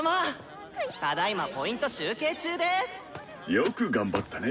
よく頑張ったね。